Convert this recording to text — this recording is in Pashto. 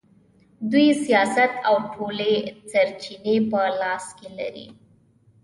دوی سیاست او ټولې سرچینې په لاس کې لري.